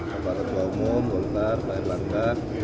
kepada tua umum golkar pak erlangga